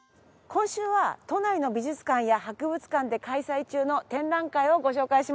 今週は都内の美術館や博物館で開催中の展覧会をご紹介します。